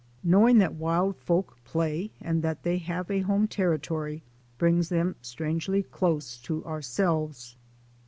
Knowing that wild folk play and that they have a home territory brings them strangely close to ourselves.